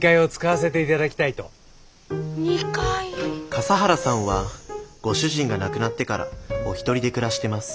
笠原さんはご主人が亡くなってからお一人で暮らしてます